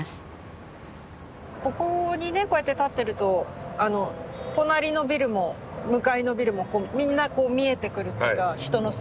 ここにねこうやって立ってると隣のビルも向かいのビルもみんな見えてくるというか人の姿が。